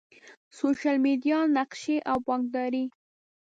سوشل میډیا، نقشي او بانکداری